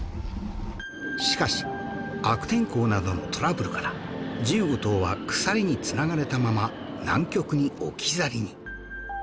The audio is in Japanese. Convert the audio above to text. しかし悪天候などのトラブルから１５頭は鎖に繋がれたまま南極に置き去りに